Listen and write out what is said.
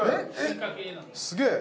すげえ